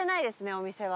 お店は。